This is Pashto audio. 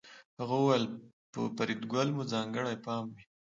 هغه وویل په فریدګل مو ځانګړی پام وي